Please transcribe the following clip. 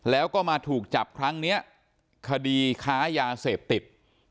แล้วก็มาถูกจับครั้งนี้คดีค้ายาเสพติด